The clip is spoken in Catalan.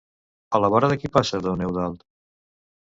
A la vora de qui passà don Eudald?